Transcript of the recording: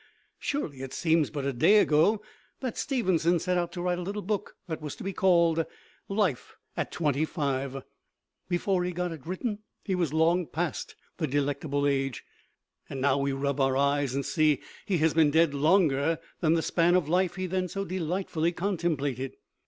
Surely it seems but a day ago that Stevenson set out to write a little book that was to be called "Life at Twenty five" before he got it written he was long past the delectable age and now we rub our eyes and see he has been dead longer than the span of life he then so delightfully contemplated.